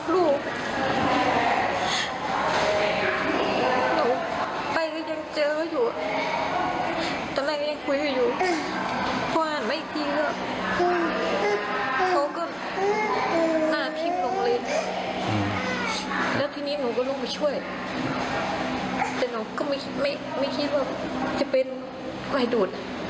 แล้วทีนี้หนูก็ลงไปช่วยแต่หนูก็ไม่คิดว่าจะเป็นไฟดูด